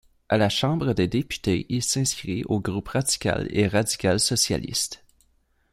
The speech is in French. À la Chambre des députés il s'inscrit au Groupe Radical et Radical Socialiste.